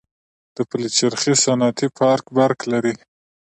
د پلچرخي صنعتي پارک برق لري؟